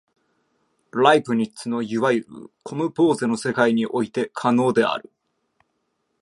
ライプニッツのいわゆるコムポーゼの世界において可能である。